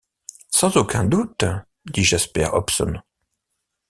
Sans aucun doute, dit Jasper Hobson.